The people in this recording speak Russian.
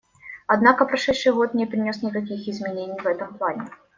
Однако прошедший год не принес никаких изменений в этом плане.